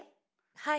はい。